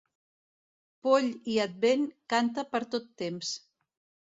Poll i Advent, canta per tot temps.